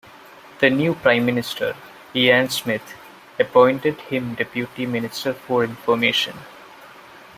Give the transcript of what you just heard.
The new Prime Minister, Ian Smith, appointed him Deputy Minister for Information.